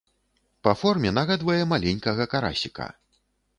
Па форме нагадвае маленькага карасіка.